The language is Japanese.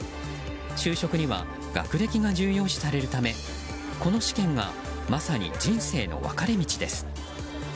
就職には学歴が重要視されるためこの試験がまさに人生の分かれ道です。